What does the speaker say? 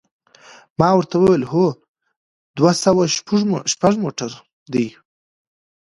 ما ورته وویل: هو، دوه سوه شپږ موټر دی.